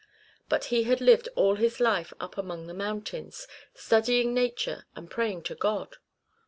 But he had lived all his life up among the mountains, studying nature and praying to God.